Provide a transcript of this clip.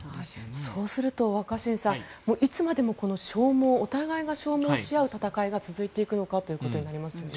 そうすると、若新さんいつまでも消耗お互いが消耗し合う戦いが続いていくのかということになりますよね。